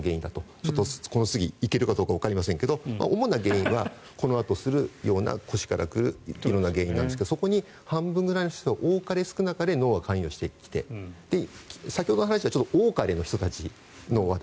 ちょっとこの次、行けるかどうかわかりませんけど主な原因はこのあとやるような腰から来る原因なんですがそこに半分ぐらいの人が多かれ少なかれ脳が関与してきて先ほどの話は多かれの人たちの話題。